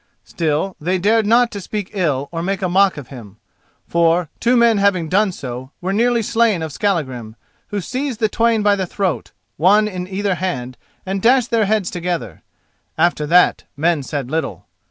Still, they dared not to speak ill or make a mock of him; for, two men having done so, were nearly slain of Skallagrim, who seized the twain by the throat, one in either hand, and dashed their heads together. After that men said little.